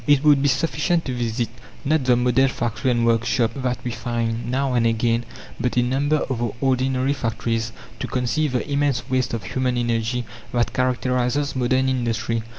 It would be sufficient to visit, not the model factory and workshop that we find now and again, but a number of the ordinary factories, to conceive the immense waste of human energy that characterizes modern industry.